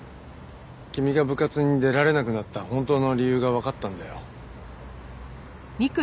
君が部活に出られなくなった本当の理由がわかったんだよ。